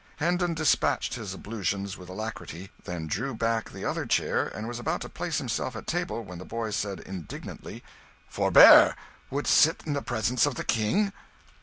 Hendon despatched his ablutions with alacrity, then drew back the other chair and was about to place himself at table, when the boy said, indignantly "Forbear! Wouldst sit in the presence of the King?"